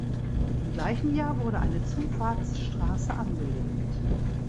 Im gleichen Jahr wurde eine Zufahrtsstraße angelegt.